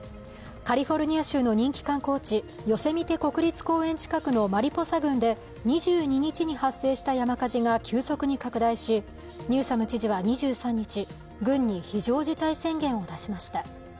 カリフォルニア州の人気観光地ヨセミテ国立公園近くのマリポサ郡で２２日に発生した山火事が急速に拡大し、ニューサム知事は２３日、郡に非常事態宣言を出しました。